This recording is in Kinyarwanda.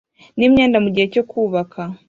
n'imyenda mugihe cyo kubaka